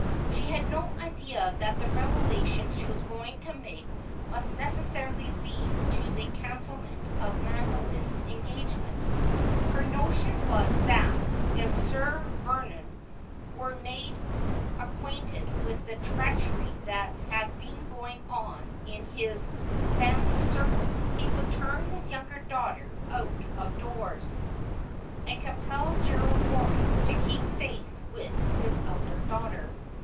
She had no idea that the revelation she was going to make must necessarily lead to the cancelment of Madoline's engage ment. Her notion was that if Sir Vernon were made ac quainted with the treachery that had been going on in his family circle, he would turn his younger daughter out of doors, and compel Gerald Goring to keep faith with his elder daugh ter.